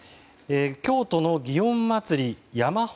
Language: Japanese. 京都の祇園祭山鉾